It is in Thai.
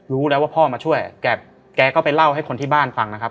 รู้แล้วว่าพ่อมาช่วยแกก็ไปเล่าให้คนที่บ้านฟังนะครับ